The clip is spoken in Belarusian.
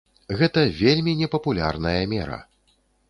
Гэта вельмі непапулярная мера!